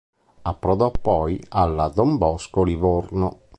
Approdò poi alla Don Bosco Livorno.